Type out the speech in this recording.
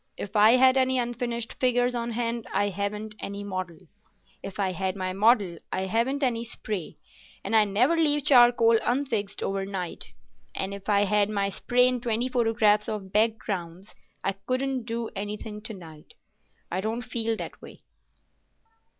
If I had any unfinished figures on hand, I haven't any model; if I had my model, I haven't any spray, and I never leave charcoal unfixed overnight; and if I had my spray and twenty photographs of backgrounds, I couldn't do anything to night. I don't feel that way."